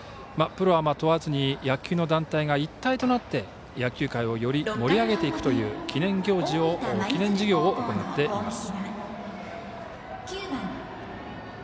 プロ、アマ問わずに野球の団体が一体となって野球界をより盛り上げていくという記念事業を行っています。